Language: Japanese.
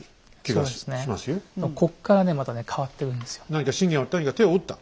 何か信玄はとにかく手を打った？